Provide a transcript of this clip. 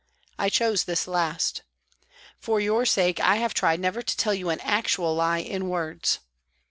I chose this last. For your sake I have tried never to tell you an actual lie in words.